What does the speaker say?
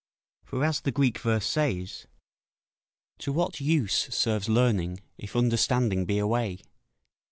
For as the Greek verse says ["To what use serves learning, if understanding be away."